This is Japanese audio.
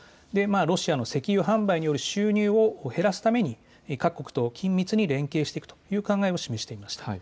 ロシアの石油販売による収入を減らすために各国と緊密に連携していく考えを示していました。